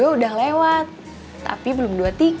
dua puluh dua udah lewat tapi belum dua puluh tiga